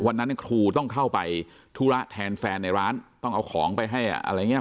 วันนั้นครูต้องเข้าไปธุระแทนแฟนในร้านต้องเอาของไปให้อะไรอย่างเงี้